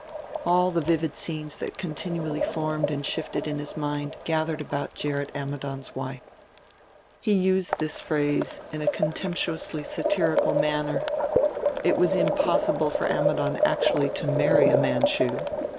All the vivid scenes that continually formed and shifted in his mind gathered about Gerrit Ammidon's wife. He used this phrase in a contemptuously satirical manner: it was impossible for Ammidon actually to marry a Manchu.